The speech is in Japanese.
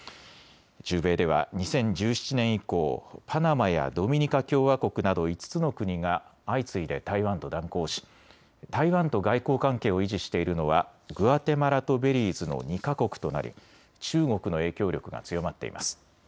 中米では２０１７年以降、パナマやドミニカ共和国など５つの国が相次いで台湾と断交し台湾と外交関係を維持しているのはグアテマラとベリーズの２か国となり、中国の影響力が強まっています。